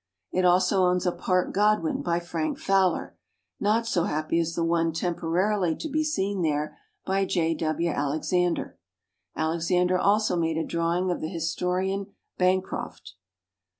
It also owns a Parke Godwin by Frank Fowler not so happy as the one tem porarily to be seen there by J. W. Alex ander. Alexander also made a draw ing of the historian Bancroft.